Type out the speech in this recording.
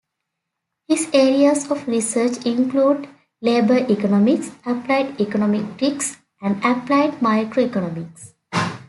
His areas of research include labor economics, applied econometrics and applied microeconomics.